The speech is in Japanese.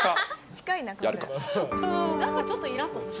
ちょっといらっとする。